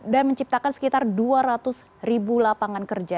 dan menciptakan sekitar dua ratus ribu lapangan kerja